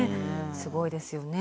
すごいですよね。